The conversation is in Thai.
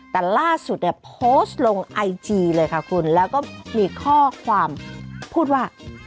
แต่ล่าสุดเนี่ยโพสต์ลงไอจีเลยค่ะคุณแล้วก็มีข้อความพูดว่า